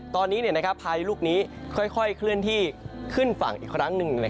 ตอนนี้พายุลูกนี้ค่อยเคลื่อนที่ขึ้นฝั่งอีกครั้งหนึ่ง